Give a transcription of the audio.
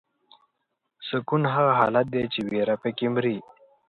سکون هغه حالت دی چې ویره پکې مري.